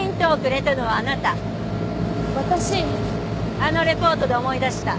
あのレポートで思い出した。